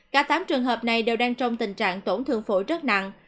cả tám trường hợp này đều đang trong tình trạng tổn thương phổi rất nặng